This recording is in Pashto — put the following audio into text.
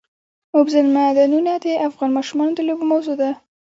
اوبزین معدنونه د افغان ماشومانو د لوبو موضوع ده.